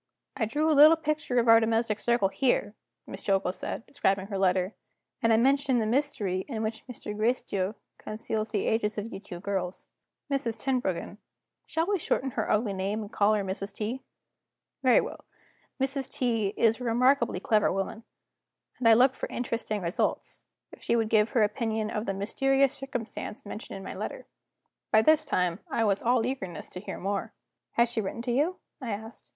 "I drew a little picture of our domestic circle here," Miss Jillgall said, describing her letter; "and I mentioned the mystery in which Mr. Gracedieu conceals the ages of you two dear girls. Mrs. Tenbruggen shall we shorten her ugly name and call her Mrs. T.? Very well Mrs. T. is a remarkably clever woman, and I looked for interesting results, if she would give her opinion of the mysterious circumstance mentioned in my letter." By this time, I was all eagerness to hear more. "Has she written to you?" I asked.